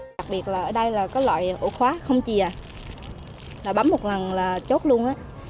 đặc biệt là ở đây là có loại ổ khóa không chìa là bấm một lần là chốt luôn